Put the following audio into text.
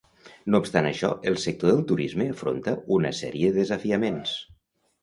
No obstant això, el sector del turisme afronta una sèrie de desafiaments.